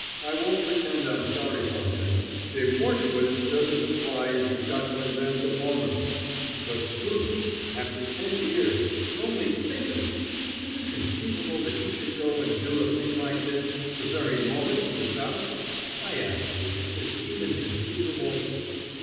I won't pretend I'm sorry for him. De mortuis doesn't apply if you've got to invent the bonum! But Scruton after ten years only think of it! Is it conceivable that he should go and do a thing like this the very moment he gets out? I ask you, is it even conceivable?"